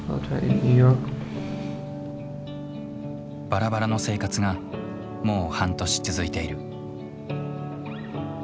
バラバラの生活がもう半年続いている。